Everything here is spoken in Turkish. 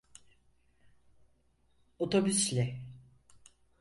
Otobüsle…